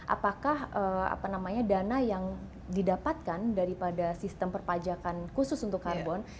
apakah dana yang didapatkan daripada sistem perpajakan khusus untuk karbon